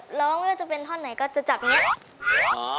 ร้องไม่ว่าจะเป็นท่อนไหนก็จะจับอย่างนี้